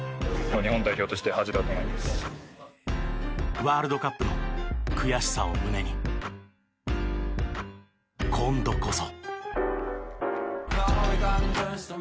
ワールドカップの悔しさを胸に今度こそ。